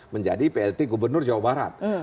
menjadi plt gubernur jawa barat